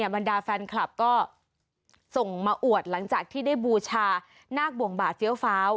บรรดาแฟนคลับก็ส่งมาอวดหลังจากที่ได้บูชานาคบ่วงบาดเฟี้ยวฟ้าว